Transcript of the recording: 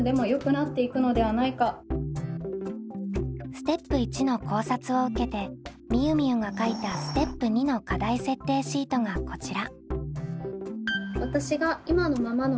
ステップ①の考察を受けてみゆみゆが書いたステップ②の課題設定シートがこちら。